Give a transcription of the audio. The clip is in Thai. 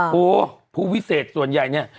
ผู้วิเศษส่วนใหญ่เนี่ย